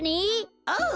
おう！